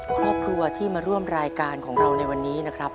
ครอบครัวที่มาร่วมรายการของเราในวันนี้นะครับ